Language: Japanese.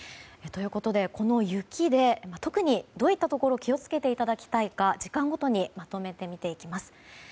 ということで、この雪で特にどういったところに気を付けていただきたいか時間ごとにまとめて見ていきます。